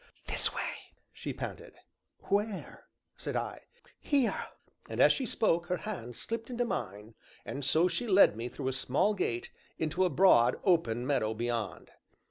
"This way," she panted. "Where?" said I. "Here!" and, as she spoke, her hand slipped into mine, and so she led me through a small gate, into a broad, open meadow beyond.